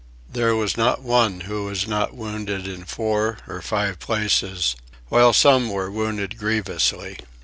There was not one who was not wounded in four or five places, while some were wounded grievously.